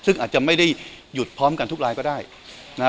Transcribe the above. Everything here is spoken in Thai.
ซึ่งอาจจะไม่ได้หยุดพร้อมกันทุกรายก็ได้นะฮะ